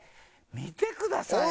見てください。